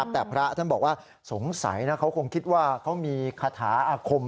แต่พระท่านบอกว่าสงสัยนะเขาคงคิดว่าเขามีคาถาอาคม